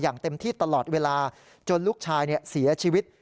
อย่างเต็มที่ตลอดเวลาจนลูกชายเสียชีวิต